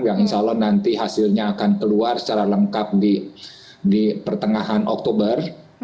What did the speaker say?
yang insya allah nanti hasilnya akan keluar secara lengkap di pertengahan oktober